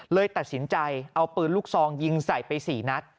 เลยตัดสินใจเอาปืนลูกซองยิงใส่ไป๔นัด